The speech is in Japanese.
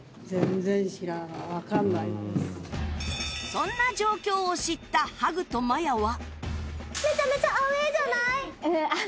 そんな状況を知ったハグとまやは